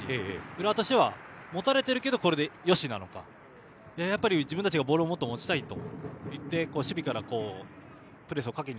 浦和としては持たれているけどこれでよしなのかやっぱり自分たちがもっとボールを持ちたいと守備から、プレスをかけに。